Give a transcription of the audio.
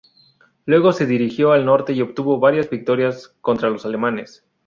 Luego se dirigió el norte y obtuvo varias victorias contra los alamanes.